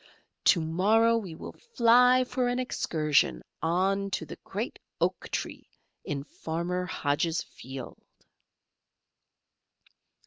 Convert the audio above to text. To morrow we will fly for an excursion on to the great oak tree in Farmer Hodges' field."